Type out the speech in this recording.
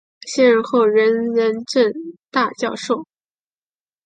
卸任后仍任政大教授。